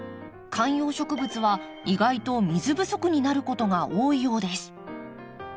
観葉植物は意外と水不足になることが多いようです。